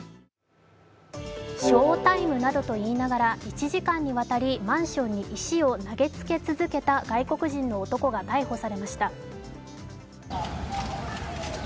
ショータイムなどといいながら、マンションに石を投げつけ続けた外国人の男が逮捕されました。